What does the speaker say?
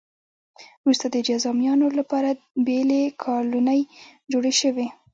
وروسته د جذامیانو لپاره بېلې کالونۍ جوړې شوې.